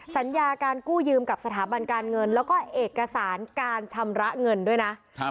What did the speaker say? สัญญาการกู้ยืมกับสถาบันการเงินแล้วก็เอกสารการชำระเงินด้วยนะครับ